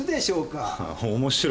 面白いな。